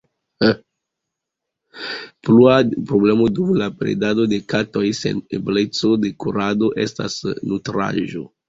Plua problemo dum la bredado de katoj sen ebleco de kurado estas nutraĵo.